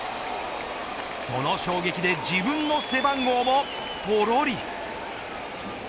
その衝撃で自分の背番号もぽろり。